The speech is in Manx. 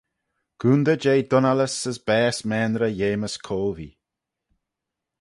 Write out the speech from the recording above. Coontey jeh dunnallys as baase maynrey Yamys Covey.